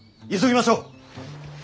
急ぎましょう。